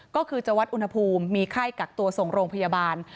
ก็คือจะวัดอุณหภูมิมีไข้กักตัวส่งโรงพยาบาล